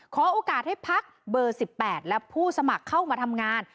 ขอโอกาสให้พักเบอร์๑๘และผู้สมัครเข้ามาทำงาน